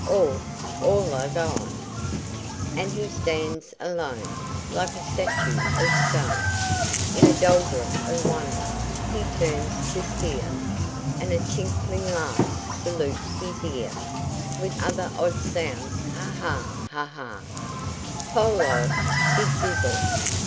All, all are gone, And he stands alone, Like a statue of stone, In a doldrum of wonder. He turns to steer, And a tinkling laugh salutes his ear, With other odd sounds: "Ha, ha, ha, ha! Fol lol! zidzizzle!